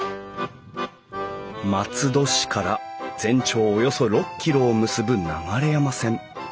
松戸市から全長およそ６キロを結ぶ流山線。